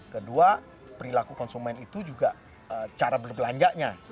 kedua perilaku konsumen itu juga cara berbelanja nya